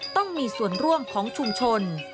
ต้องมีส่วนร่วมของชุมชน